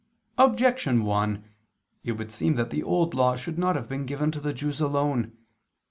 Objection 1: It would seem that the Old Law should not have been given to the Jews alone.